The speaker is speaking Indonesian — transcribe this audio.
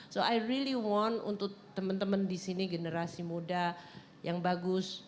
so i really want untuk teman teman di sini generasi muda yang bagus